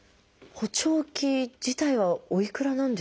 補聴器自体はおいくらなんですかね。